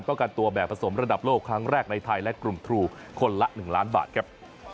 กันตัวแบบผสมระดับโลกครั้งแรกในไทยและกลุ่มทรูคนละ๑ล้านบาทครับ